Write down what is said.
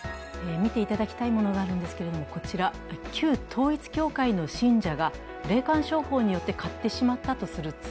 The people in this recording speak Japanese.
見ていただきたいものがあるんですけれども、こちら、旧統一教会の信者が霊感商法によって買ってしまったとする壺。